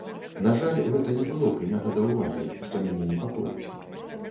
На жаль, гэта не было прынята да ўвагі, што мяне непакоіць.